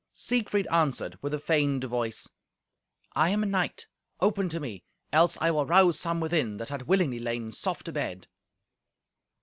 Siegfried answered with a feigned voice, "I am a knight. Open to me, else I will rouse some within that had willingly lain soft abed."